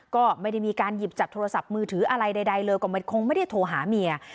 ก็ไม่ได้มีการหยิบจับโทรศัพท์มือถืออะไรใดเลยก็คงไม่ได้โทรหาเมีย